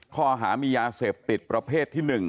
ข้ออาหารมียาเสพติดประเภทที่หนึ่ง